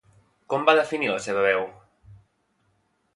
Com va definir la seva veu?